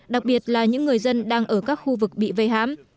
đặc biệt là những người dân đang ở các khu vực bị vây hãm